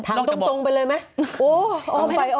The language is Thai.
ไปกับใครพี่เมย์